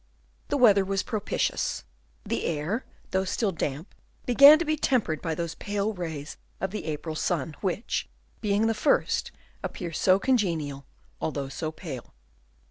The weather was propitious; the air, though still damp, began to be tempered by those pale rays of the April sun which, being the first, appear so congenial, although so pale.